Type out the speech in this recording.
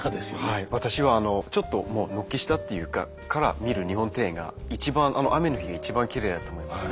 はい私はあのちょっともう軒下っていうかから見る日本庭園が一番雨の日が一番きれいだと思います。